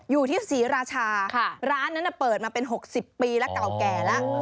อยู่ที่ศรีราชาร้านนั้นเปิดมาเป็น๖๐ปีแล้วเก่าแก่แล้ว